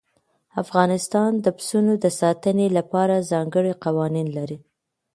افغانستان د پسونو د ساتنې لپاره ځانګړي قوانين لري.